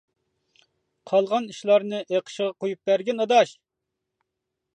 -قالغان ئىشلارنى ئېقىشىغا قويۇپ بەرگىن، ئاداش!